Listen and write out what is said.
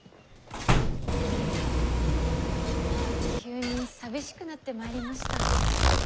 急に寂しくなってまいりました。